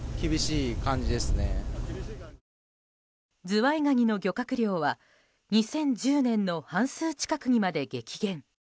ズワイガニの漁獲量は２０１０年の半数近くにまで激減。